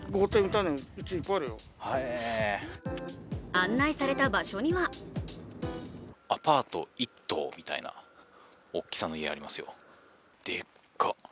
案内された場所にはアパート１棟みたいな大きさの家、ありますよ、でっか！